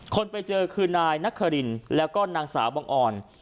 คนไปเจอคือนายนครินแล้วก็นางสาวบังออน